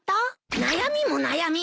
悩みも悩み。